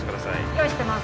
用意してます